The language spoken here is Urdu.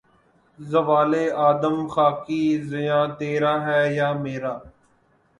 زوال آدم خاکی زیاں تیرا ہے یا میرا